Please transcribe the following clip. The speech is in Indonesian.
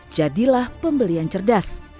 jadilah pembelian cerdas